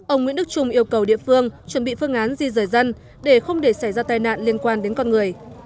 ông nguyễn đức trung yêu cầu địa phương chuẩn bị phương án di rời dân để không để xảy ra tai nạn liên quan đến con người